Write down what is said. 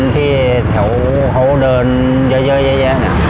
ที่แถวเขาเดินเยอะแยะเนี่ย